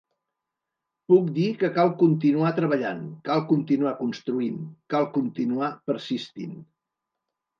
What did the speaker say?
Puc dir que cal continuar treballant, cal continuar construint, cal continuar persistint.